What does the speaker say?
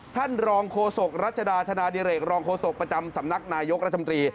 ท่านรองโฆษกรัชดาธนาดิเรกรองโฆษกประจำสำนักนายกรัฐมนตรี